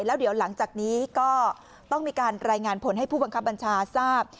แล้วเดี๋ยวหลังจากนี้ก็ต้องมีการรายงานผลให้ผู้บังคับบัญชาทราบ